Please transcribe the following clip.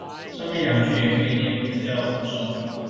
上面兩句也可以列入資料庫中